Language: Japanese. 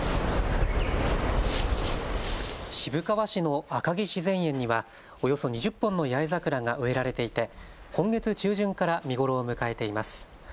渋川市の赤城自然園にはおよそ２０本の八重桜が植えられていて今月中旬から見頃を迎えています。